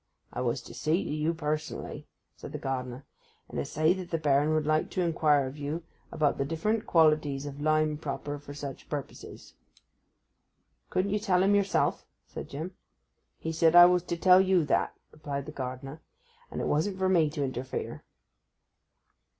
'I was to see you personally,' said the gardener, 'and to say that the Baron would like to inquire of you about the different qualities of lime proper for such purposes.' 'Couldn't you tell him yourself?' said Jim. 'He said I was to tell you that,' replied the gardener; 'and it wasn't for me to interfere.